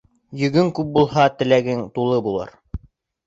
Йөгөң күп булһа, келәтең тулы булыр.